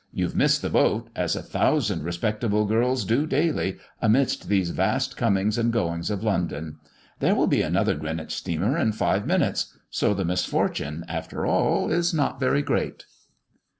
You've missed the boat, as a thousand respectable girls do daily, amidst these vast comings and goings of London. There will be another Greenwich steamer in five minutes; so the misfortune, after all, is not very great!"